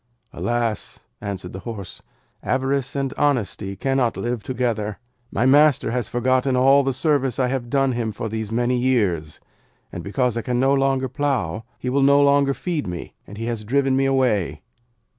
'Alas!' answered the Horse, 'avarice and honesty cannot live together. My master has forgotten all the service I have done him for these many years, and because I can no longer plough he will no longer feed me, and he has driven me away.'